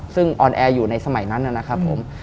ซึ่งออนแอร์อยู่ในสมัยนั้นนะครับผม